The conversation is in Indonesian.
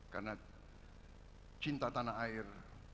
karena cinta tanah air